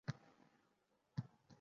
Piyoda yoki biror joyga kelardim.